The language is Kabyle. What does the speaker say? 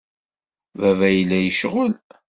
Baba yella yecɣel.